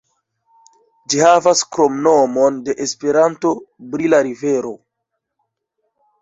Ĝi havas kromnomon de Esperanto, "Brila Rivero".